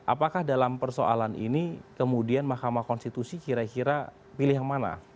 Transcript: apakah dalam persoalan ini kemudian mahkamah konstitusi kira kira pilih yang mana